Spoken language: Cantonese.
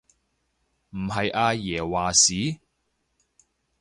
唔係阿爺話事？